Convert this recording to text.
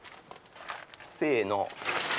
せの。